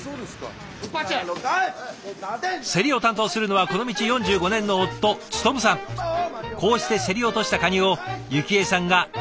競りを担当するのはこの道４５年のこうして競り落としたカニを祐喜江さんが一つ一つ確認。